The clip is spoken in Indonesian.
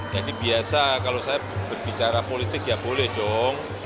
jadi biasa kalau saya berbicara politik ya boleh dong